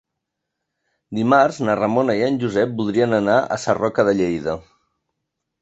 Dimarts na Ramona i en Josep voldrien anar a Sarroca de Lleida.